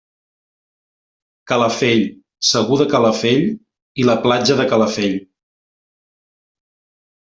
Calafell, Segur de Calafell i la Platja de Calafell.